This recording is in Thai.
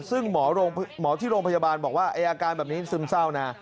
ซึ่งหมอที่โรงพยาบาลบอกว่าอาการแบบนี้ซึมเศร้านะ